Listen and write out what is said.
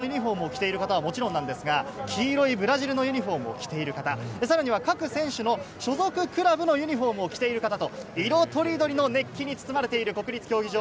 日本代表のユニホームを着ている方はもちろんなんですが、黄色いブラジルのユニホームを着ている方、さらには各選手の所属クラブのユニホームを着ている方と、色とりどりの熱気に包まれている国立競技場。